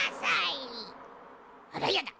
あらやだ！